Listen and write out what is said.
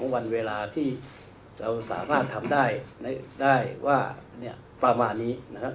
วันเวลาที่เราสามารถทำได้ว่าประมาณนี้นะครับ